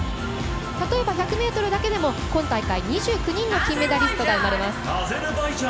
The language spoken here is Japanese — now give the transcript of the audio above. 例えば１００ｍだけでも今大会２９人の金メダリストが生まれます。